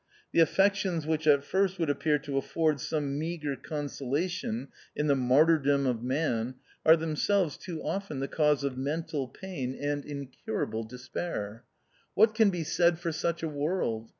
The affections which at first would appear to afford some meagre consolation in the martyrdom of man are themselves too often the cause of mental pain and incurable 46 THE OUTCAST. despair. What can be said for such a world